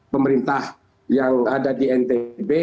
pemerintah yang ada di ntb